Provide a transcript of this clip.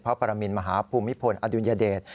พระประมิญมหาภูมิพศอดุญเดช